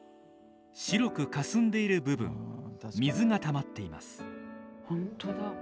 白くかすんでいる部分水がたまっています。